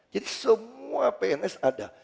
jadi semua pns ada